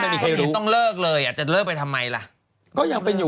นางนิน่าก็อย่างนี้